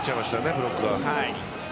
ブロックが。